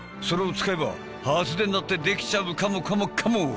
それを使えば発電だってできちゃうかもかもかも！